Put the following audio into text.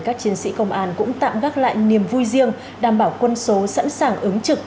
các chiến sĩ công an cũng tạm gác lại niềm vui riêng đảm bảo quân số sẵn sàng ứng trực